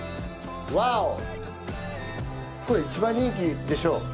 これ一番人気でしょ？